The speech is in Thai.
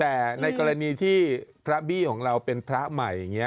แต่ในกรณีที่พระบี้ของเราเป็นพระใหม่อย่างนี้